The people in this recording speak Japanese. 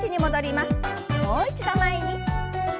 もう一度前に。